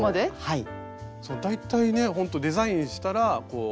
はい。